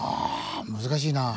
難しいな。